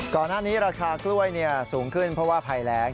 ก่อนหน้านี้ราคากล้วยสูงขึ้นเพราะว่าภัยแรง